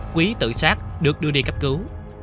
quý tự sát được đưa đi cấp cứu